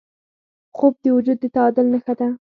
خوب د وجود د تعادل نښه ده